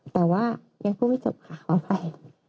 แต่ว่ายังพูดไม่จบค่ะขออภัย